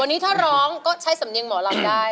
วันนี้ถ้าร้องก็ใช้สำเนียงหมอลำได้